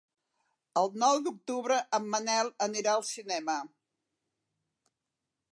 El nou d'octubre en Manel anirà al cinema.